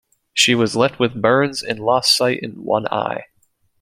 She was left with burns and lost sight in one eye.